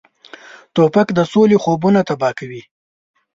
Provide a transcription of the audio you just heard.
توپک د سولې خوبونه تباه کوي.